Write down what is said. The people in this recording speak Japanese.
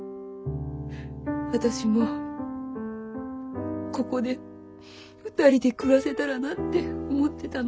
私もここで２人で暮らせたらなって思ってたの。